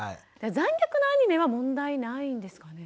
残虐なアニメは問題ないんですかね？